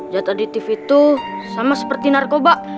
zat aditif itu sama seperti narkoba